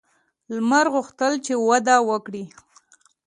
لمر غوښتل چې واده وکړي.